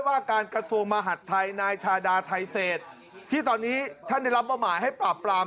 ว่าการกระทรวงมหัฐไทยนายชาดาไทเศษที่ตอนนี้ท่านได้รับมอบหมายให้ปราบปราม